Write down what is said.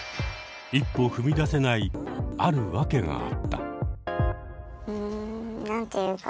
一歩踏み出せないある訳があった。